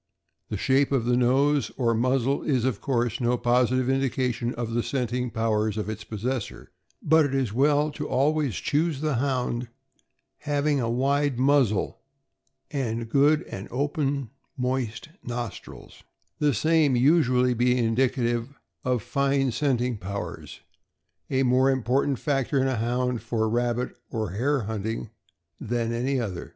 The shape of the nose or muzzle is, of course, no positive indication of the scenting powers of its possessor, but it is well to always choose the Hound having a wide muzzle and good open and moist nos trils, the same usually being indicative of fine scenting powers, a more important factor in a Hound for rabbit or hare hunting than any other.